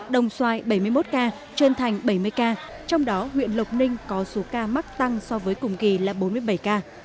đồng xoài bảy mươi một ca trơn thành bảy mươi ca trong đó huyện lộc ninh có số ca mắc tăng so với cùng kỳ là bốn mươi bảy ca